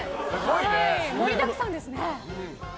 盛りだくさんですね。